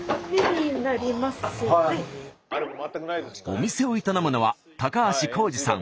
お店を営むのは高橋幸嗣さん